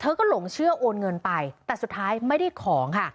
ก็หลงเชื่อโอนเงินไปแต่สุดท้ายไม่ได้ของค่ะ